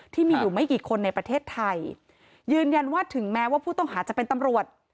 ที่มีอยู่ไม่กี่คนในประเทศไทยยืนยันว่าถึงแม้ว่าผู้ต้องหาจะเป็นตำรวจ